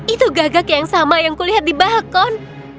itu gagak yang sama yang kulihat di balkon